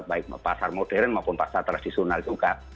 baik pasar modern maupun pasar tradisional juga